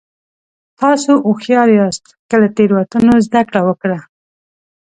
تاسو هوښیار یاست که له تېروتنو زده کړه وکړه.